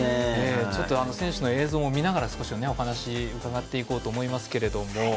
選手の映像も見ながらお話を伺っていこうと思いますけれども。